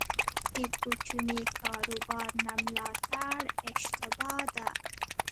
د کوچني کاروبار نه ملاتړ اشتباه ده.